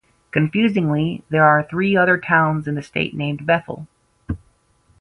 Confusingly, there are three other towns in the state named Bethel.